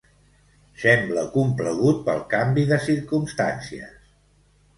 Sembla complagut pel canvi de circumstàncies.